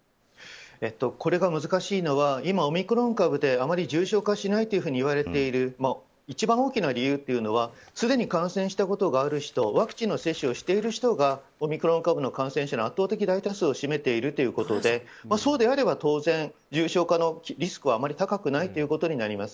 これが難しいのは今、オミクロン株であまり重症化しないといわれている一番大きな理由はすでに感染したことがある人ワクチンの接種をしている人がオミクロン株の感染者の圧倒的大多数を占めているということでそうであれば当然重症化のリスクは高くないことになります。